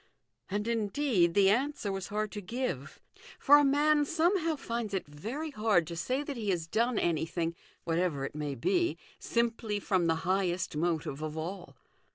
And, indeed, the answer was hard to give ; for a man somehow finds it very hard to say that he has done anything, whatever it may be, simply from the highest motive of all.